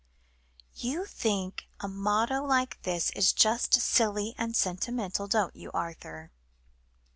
"You think a motto like this just silly and sentimental, don't you, Arthur?"